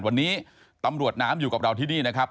วันนี้ตำรวจน้ำอยู่กับเราที่นี่นะครับ